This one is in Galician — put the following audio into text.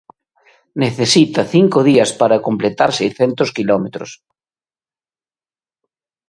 Necesita cinco días para completar seiscentos quilómetros.